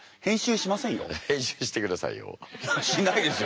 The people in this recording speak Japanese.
しないですよ。